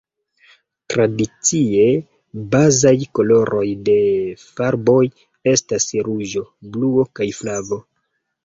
Tradicie, bazaj koloroj de farboj estas ruĝo, bluo kaj flavo.